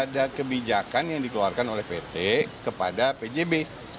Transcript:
ada kebijakan yang dikeluarkan oleh pt kepada pjb